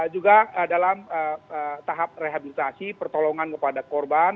juga dalam tahap rehabilitasi pertolongan kepada korban